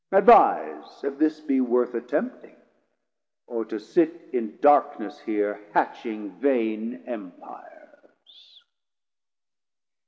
Advise if this be worth Attempting, or to sit in darkness here Hatching vain Empires.